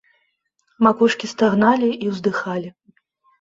Макушкі стагналі і ўздыхалі.